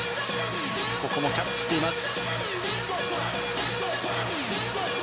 ここもキャッチしています。